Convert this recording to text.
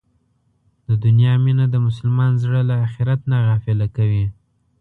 د دنیا مینه د مسلمان زړه له اخرت نه غافله کوي.